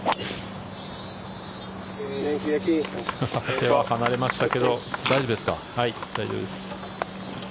手は離れましたけど大丈夫です。